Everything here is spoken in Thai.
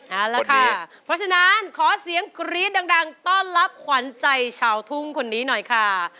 เอาละค่ะเพราะฉะนั้นขอเสียงกรี๊ดดังต้อนรับขวัญใจชาวทุ่งคนนี้หน่อยค่ะ